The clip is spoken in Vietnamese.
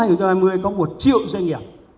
năm hai nghìn hai mươi có một triệu doanh nghiệp